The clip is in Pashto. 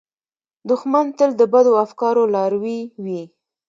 دښمن تل د بدو افکارو لاروي وي